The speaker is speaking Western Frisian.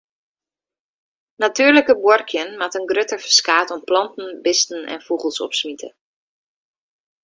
Natuerliker buorkjen moat in grutter ferskaat oan planten, bisten en fûgels opsmite.